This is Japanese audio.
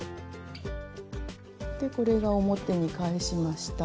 これが表に返しました。